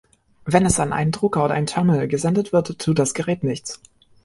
Wenn es an einen Drucker oder ein Terminal gesendet wird, tut das Gerät nichts.